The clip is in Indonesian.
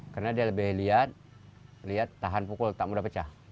karena dia lebih lihat lihat tahan pukul tak mudah pecah